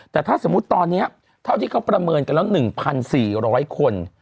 แต่ถ้าสมมุติตอนนี้เท่าที่เขาประเมินกันแล้ว๑๔๐๐คน